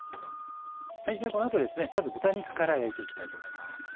ではこの後まず豚肉から焼いて行きたいと思います。